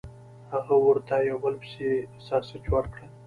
هغه ورته یو په بل پسې ساسج ورکړل